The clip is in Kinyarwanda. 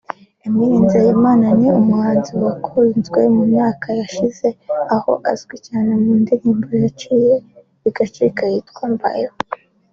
Emile Nzeyimana Ni umuhanzi wakunzwe mu myaka yashize aho azwi cyane mu ndirimbo yabiciye bigacika yitwa Mbayeho